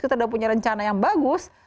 kita sudah punya rencana yang bagus